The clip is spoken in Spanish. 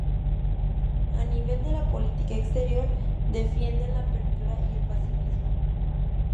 A nivel de la política exterior, defienden la apertura y el pacifismo.